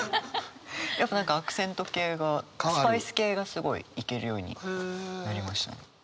やっぱ何かアクセント系がスパイス系がすごいいけるようになりましたね。